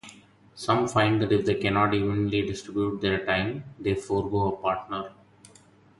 Some find that if they cannot evenly distribute their time, they forego a partner.